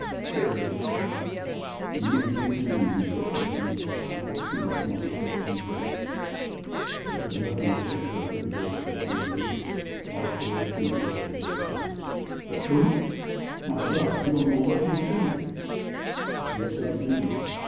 Cherry was silent. "You may leave it to me," he said, gently. "I will see that Marsh sets you right." "There is nothing to set right," said the girl, wearily. "Marsh told the truth, I dare say." "The truth! My God! You don't know what you're saying!" "Yes, I do."